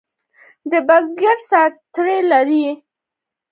د بزګر ستړیا لرې کوي.